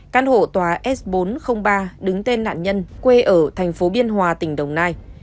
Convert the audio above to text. căn hộ tòa s bốn trăm linh ba đứng tên nạn nhân quê ở thành phố biên hòa tỉnh đồng nai